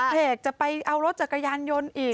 เอกจะไปเอารถจักรยานยนต์อีก